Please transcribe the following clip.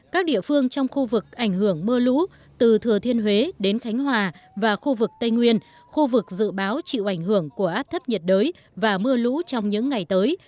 các địa phương trong khu vực ảnh hưởng mưa lũ từ thừa thiên huế đến khánh hòa và khu vực tây nguyên khu vực dự báo chịu ảnh hưởng của áp thấp nhiệt đới và mưa lũ trong những ngày tới